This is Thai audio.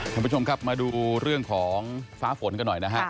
ท่านผู้ชมครับมาดูเรื่องของฟ้าฝนกันหน่อยนะฮะ